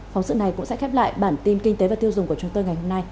phóng sự này cũng sẽ khép lại bản tin kinh tế và tiêu dùng của chúng tôi ngày hôm nay